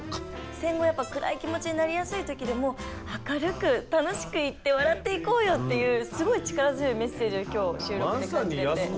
戦後やっぱ暗い気持ちになりやすい時でも明るく楽しくいって笑っていこうよっていうすごい力強いメッセージを今日収録で感じて。